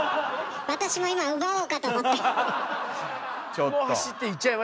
私も今奪おうかと思って。